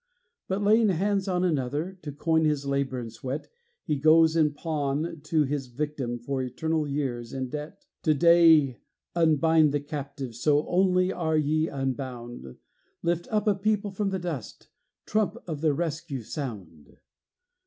But, laying hands on another, To coin his labor and sweat, He goes in pawn to his victim For eternal years in debt. To day unbind the captive, So only are ye unbound; Lift up a people from the dust, Trump of their rescue, sound!